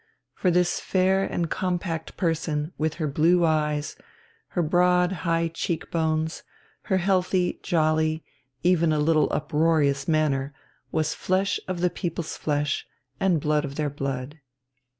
For this fair and compact person with her blue eyes, her broad, high cheek bones, her healthy, jolly, even a little uproarious manner, was flesh of the people's flesh, and blood of their blood.